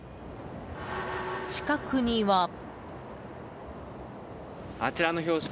近くには。